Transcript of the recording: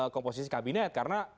komposisi kabinet karena